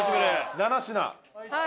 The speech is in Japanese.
７品。